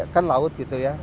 kan laut gitu ya